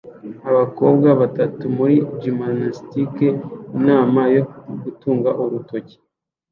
Abakobwa batatu muri gymnastique inama yo gutunga urutoki